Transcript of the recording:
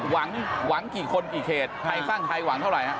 หวังกี่คนกี่เขตไทสร้างไทหวังเท่าไหร่